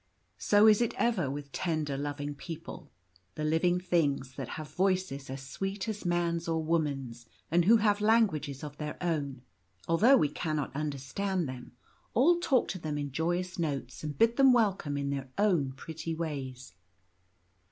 So is it ever with tender, loving people; the living things that have voices as sweet as man's or woman's, and who have languages of their own, although we cannot understand them, all talk to them in joyous notes and bid them welcome in their own pretty ways.